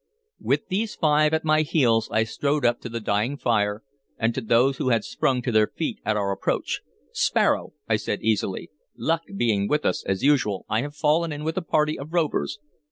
With these five at my heels I strode up to the dying fire and to those who had sprung to their feet at our approach. "Sparrow," I said easily, "luck being with us as usual, I have fallen in with a party of rovers.